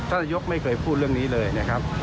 นายกไม่เคยพูดเรื่องนี้เลยนะครับ